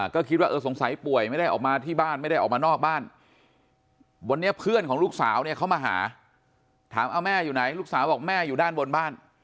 ก็คิดว่าเออสงสัยป่วยไม่ได้ออกมาที่บ้านไม่ได้ออกมานอกบ้านวันนี้เพื่อนของลูกสาวเนี่ยเขามาหาถามเอาแม่อยู่ไหนลูกสาวบอกแม่อยู่ด้านบนบ้าน